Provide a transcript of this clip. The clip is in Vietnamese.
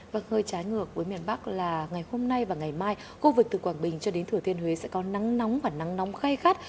và hơi trái ngược với miền bắc là ngày hôm nay và ngày mai khu vực từ quảng bình cho đến thừa thiên huế sẽ có nắng nóng và nắng nóng khay khắt